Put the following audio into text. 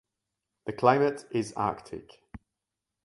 The climate is arctic.